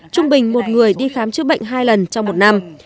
trung bình một người đi khám chữa bệnh hai lần trong một năm